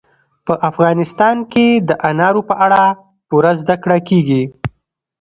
په افغانستان کې د انارو په اړه پوره زده کړه کېږي.